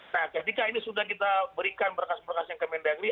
nah ketika ini sudah kita berikan berkas berkasnya kementerian negeri